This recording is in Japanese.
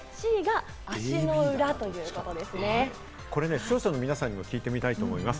視聴者の皆さんにも聞いてみたいと思います。